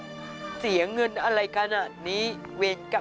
มันเสียใจไงว่าเรื่องมันไม่ใช่เรื่องของลูกเรา